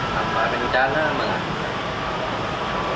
tanpa rencana mengadukan